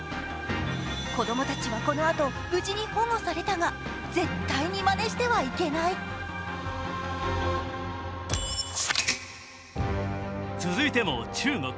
子供たちはこのあと無事に保護されたが、絶対にまねしてはいけない続いても中国。